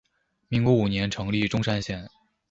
民国五年成立钟山县。